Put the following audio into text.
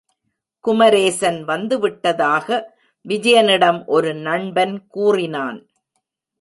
குமரேசன் வந்து விட்டதாக விஜயனிடம் ஒரு நண்பன் கூறினான்.